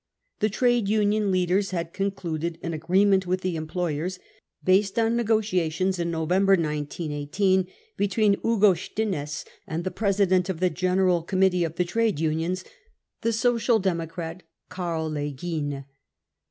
The trade union, leaders had concluded an agreement with the employers, based on negotiations in •November 1918 between Hugo Stinnes and the president of the General Committee of the trade unions, the Social Democrat Karl Legien.